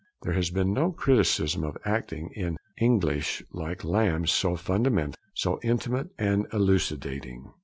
There has been no criticism of acting in English like Lamb's, so fundamental, so intimate and elucidating.